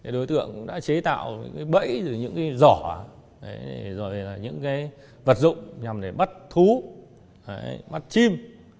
đối tượng đã chế tạo bẫy giỏ vật dụng nhằm bắt thú bắt chim